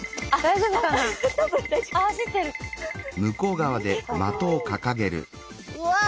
うわ！